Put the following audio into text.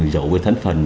giấu về thân phần